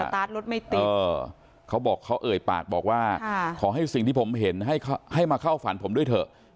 ตาร์ทรถไม่ติดเขาบอกเขาเอ่ยปากบอกว่าขอให้สิ่งที่ผมเห็นให้มาเข้าฝันผมด้วยเถอะ